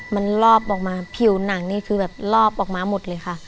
มันลอบออกมาผิวหนังนี่คือแบบรอบออกมาหมดเลยค่ะ